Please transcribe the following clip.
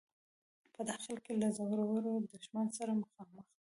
په داخل کې له زورور دښمن سره مخامخ دی.